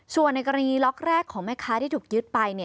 ส่วนในกรณีล็อกแรกของแม่ค้าที่ถูกยึดไป